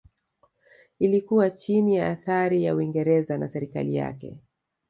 Ilikuwa chini ya athari ya Uingereza na serikali yake